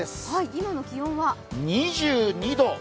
今の気温は２２度。